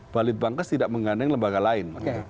balit bankes tidak menggandeng lembaga lain